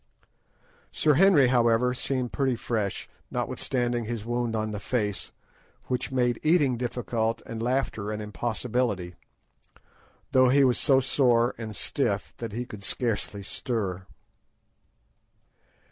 Sir Henry, however, seemed pretty fresh, notwithstanding his wound on the face, which made eating difficult and laughter an impossibility, though he was so sore and stiff that he could scarcely stir.